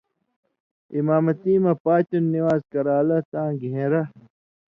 اِمامتی مہ پاتیوں نِوان٘ز کران٘لاں تاں گھین٘رہ